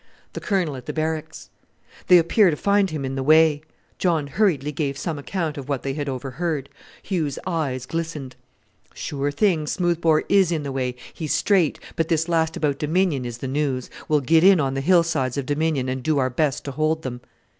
"The Colonel at the Barracks." "They appear to find him in the way." John hurriedly gave some account of what they had overheard. Hugh's eyes glistened. "Sure thing! Smoothbore is in the way. He's straight; but this last about Dominion is the news. We'll get in on the hillsides of Dominion, and do our best to hold them."